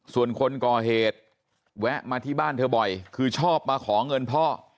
ส่วนคนก่อเหตุแวะมาที่บ้านเธอบ่อยคือชอบมาขอเงินพ่อ